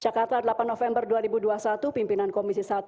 jakarta delapan november dua ribu dua puluh satu pimpinan komisi satu